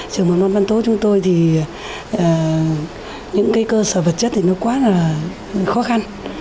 trường mầm non văn tố chúng tôi thì những cơ sở vật chất thì nó quá là khó khăn